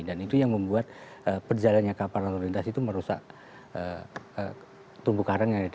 dan itu yang membuat perjalanan kapal lalu lintas itu merusak